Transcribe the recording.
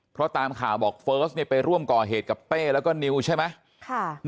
เพราะตามข่าวบอกเฟิร์สไปร่วมก่อเหตุกับเป้แล้วก็นิวใช่ไหม